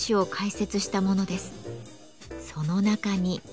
その中に。